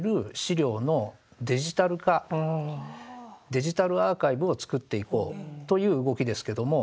デジタルアーカイブを作っていこうという動きですけども。